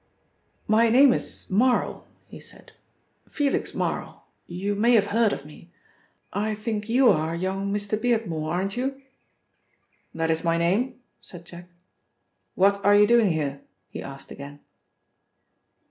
"My name is Marl," he said, "Felix Marl. You may have heard of me. I think you are young Mr. Beardmore, aren't you?" "That is my name," said Jack. "What are you doing here?" he asked again.